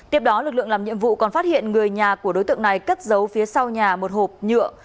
tiếp đó lực lượng làm nhiệm vụ còn phát hiện người nhà của đối tượng này cất giấu phía sau nhà một hộp nhựa